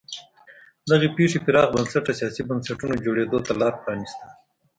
دغې پېښې پراخ بنسټه سیاسي بنسټونو جوړېدو ته لار پرانیسته.